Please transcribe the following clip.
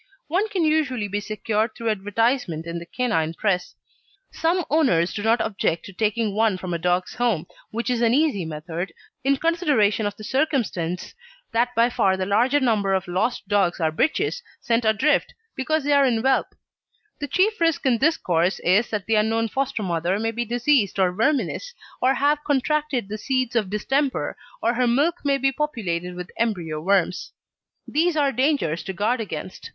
One can usually be secured through advertisement in the canine press. Some owners do not object to taking one from a dogs' home, which is an easy method, in consideration of the circumstance that by far the larger number of "lost" dogs are bitches sent adrift because they are in whelp. The chief risk in this course is that the unknown foster mother may be diseased or verminous or have contracted the seeds of distemper, or her milk may be populated with embryo worms. These are dangers to guard against.